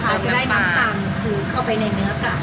จะได้น้ำปังขึ้นเข้าไปในเนื้อกัน